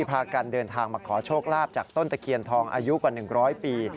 พากันเดินทางมาขอโชคลาภจากต้นตะเคียนทองอายุกว่า๑๐๐ปี